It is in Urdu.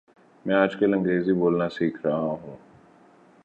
میں آج کل انگریزی بولنا سیکھ رہا ہوں